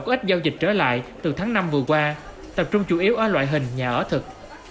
có ít giao dịch trở lại từ tháng năm vừa qua tập trung chủ yếu ở loại hình nhà ở thực